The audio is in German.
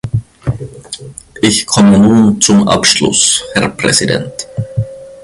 Ich komme nun zum Abschluss, Herr Präsident.